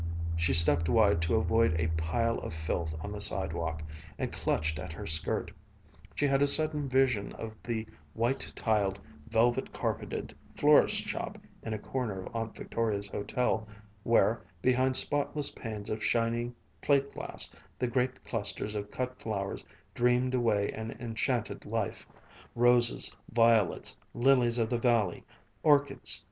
She stepped wide to avoid a pile of filth on the sidewalk, and clutched at her skirt. She had a sudden vision of the white tiled, velvet carpeted florist's shop in a corner of Aunt Victoria's hotel where, behind spotless panes of shining plate glass, the great clusters of cut flowers dreamed away an enchanted life roses, violets, lilies of the valley, orchids....